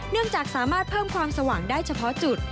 เนื่องจากสามารถเพิ่มความสว่างได้เฉพาะจุด